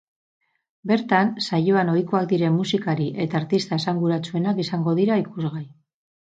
Bertan, saioan ohikoak diren musikari eta artista esanguratsuenak izango dira ikusgai.